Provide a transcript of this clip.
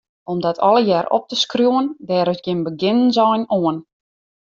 Om dat allegearre op te skriuwen, dêr is gjin begjinnensein oan.